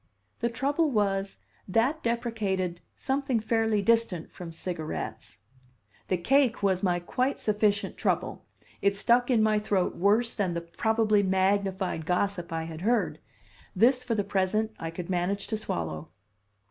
The trouble was that deprecated something fairly distant from cigarettes. The cake was my quite sufficient trouble; it stuck in my throat worse than the probably magnified gossip I had heard; this, for the present, I could manage to swallow.